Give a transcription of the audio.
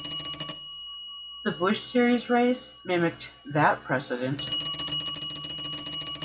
The Busch Series race mimicked that precedent.